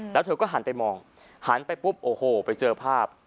แล้วเธอก็หันไปมองหันไปปุ๊บโอ้โหไปเจอภาพ